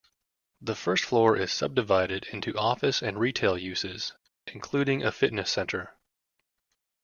The first floor is sub-divided into office and retail uses, including a fitness centre.